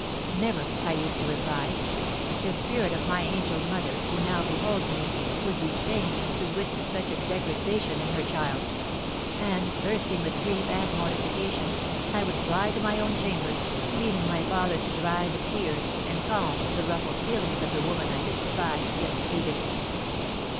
'Never!' I used to reply; 'the spirit of my angel mother, who now beholds me, would be pained to witness such a degradation in her child;' and, bursting with grief and mortification, I would fly to my own chamber, leaving my father to dry the tears, and calm the ruffled feelings of the woman I despised and hated.